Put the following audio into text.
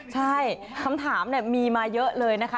ใช่คำถามมีมาเยอะเลยนะคะ